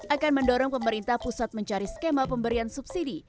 akan mendorong pemerintah pusat mencari skema pemberian subsidi